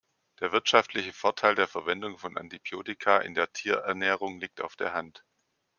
Der wirtschaftliche Vorteil der Verwendung von Antibiotika in der Tierernährung liegt auf der Hand.